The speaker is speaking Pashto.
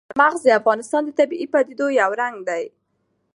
چار مغز د افغانستان د طبیعي پدیدو یو رنګ دی.